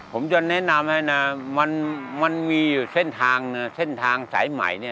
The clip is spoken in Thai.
ผมจะแนะนำให้นะมันมีเส้นทางสายใหม่